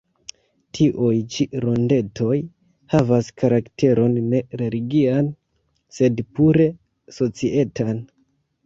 Tiuj ĉi rondetoj havas karakteron ne religian, sed pure societan.